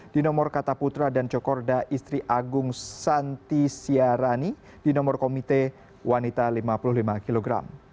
di nomor kata putra dan cokorda istri agung santi siarani di nomor komite wanita lima puluh lima kg